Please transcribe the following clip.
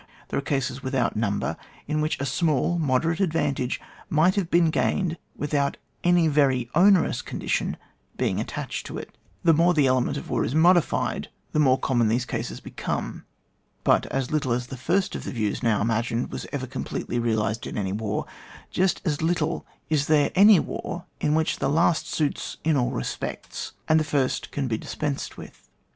There are cases without number in which a small moderate advantage might have been gained without any very onerous condition being attached to it The more the element of war is modified the more common those cases become ; but as little as the first of the views now imagined was ever completely realised in any war, just as little is there any weur in which the last suits in all respects, and the first can be dispensed with.